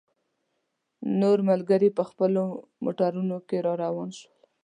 نور ملګري په خپلو موټرانو کې را روان شول.